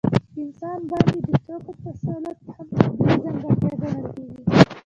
په انسان باندې د توکو تسلط هم طبیعي ځانګړتیا ګڼل کېږي